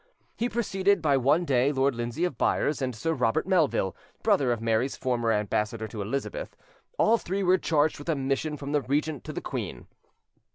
He preceded by one day Lord Lindsay of Byres and Sir Robert Melville, brother of Mary's former ambassador to Elizabeth: all three were charged with a mission from the regent to the queen.